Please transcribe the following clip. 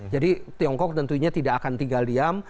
jadi tiongkok tentunya tidak akan tinggal diam